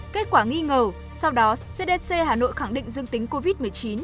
kết quả nghi ngờ sau đó cdc hà nội khẳng định dương tính covid một mươi chín